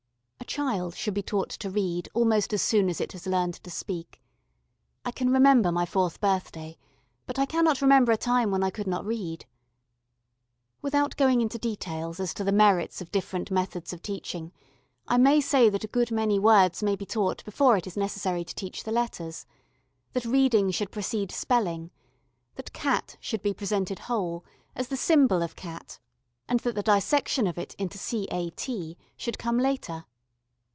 A child should be taught to read almost as soon as it has learned to speak. I can remember my fourth birthday, but I cannot remember a time when I could not read. Without going into details as to the merits of different methods of teaching, I may say that a good many words may be taught before it is necessary to teach the letters that reading should precede spelling that CAT should be presented whole, as the symbol of Cat and that the dissection of it into C.A.T. should come later.